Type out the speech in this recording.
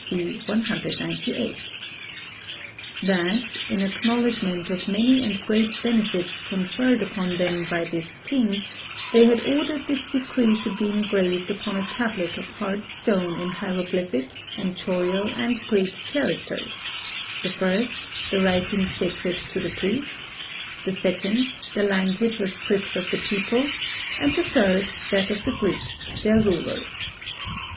C. 198; That, in acknowledgment of many and great benefits conferred upon them by this king, they had ordered this decree should be engraved upon a tablet of hard stone in hieroglyphic, enchorial and Greek characters; the first, the writing sacred to the priests; the second, the language or script of the people, and the third that of the Greeks, their rulers.